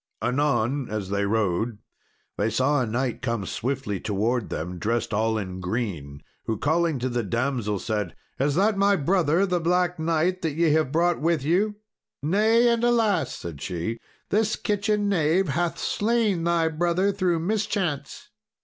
Anon, as they rode, they saw a knight come swiftly towards them, dressed all in green, who, calling to the damsel said, "Is that my brother, the Black Knight, that ye have brought with you?" "Nay, and alas!" said she, "this kitchen knave hath slain thy brother through mischance."